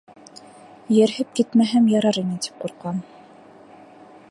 Ерһеп китмәһәм ярар ине тип ҡурҡам.